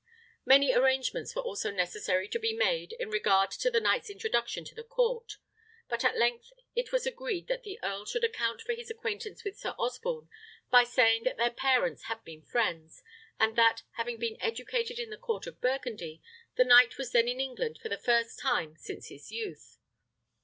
Many arrangements also were necessary to be made in regard to the knight's introduction to the court; but at length it was agreed that the earl should account for his acquaintance with Sir Osborne by saying that their parents had been friends, and that, having been educated in the court of Burgundy, the knight was then in England for the first time since his youth.